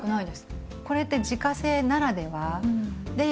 これって自家製ならではで